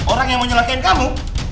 orang yang mau nyelakain kamu